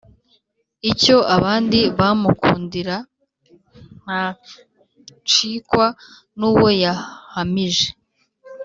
Icyo abandi bamukundira ntacikwa n’uwo yahamije.